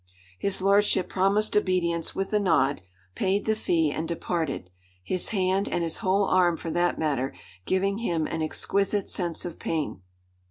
His lordship promised obedience with a nod, paid the fee, and departed: his hand and his whole arm, for that matter giving him an exquisite sense of pain.